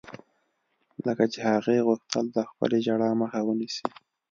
لکه چې هغې غوښتل د خپلې ژړا مخه ونيسي.